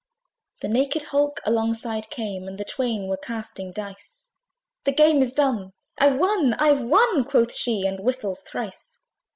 The naked hulk alongside came, And the twain were casting dice; "The game is done! I've won! I've won!" Quoth she, and whistles thrice.